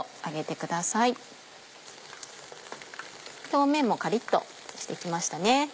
表面もカリっとしてきましたね。